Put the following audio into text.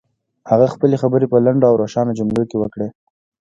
هغه خپلې خبرې په لنډو او روښانه جملو کې وکړې.